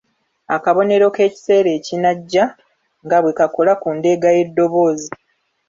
Akabonero k’ekiseera ekinajja nga bwe kakola ku ndeega y’eddoboozi.